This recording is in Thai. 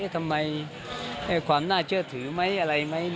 ทำไมความน่าเชื่อถือไหมอะไรไหม